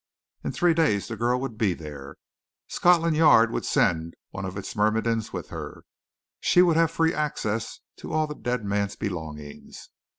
In three days the girl would be there. Scotland Yard would send one of its myrmidons with her. She would have free access to all the dead man's belongings.